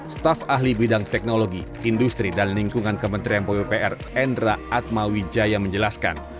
staf ahli bidang teknologi industri dan lingkungan kementerian pupr endra atmawijaya menjelaskan